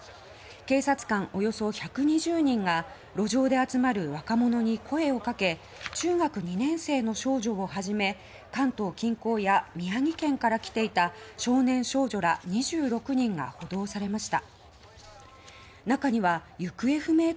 警察官およそ１２０人が路上で集まる若者に声をかけ中学２年生の少女を始め宮城県から来ていた少年少女ら２６人が補導されました。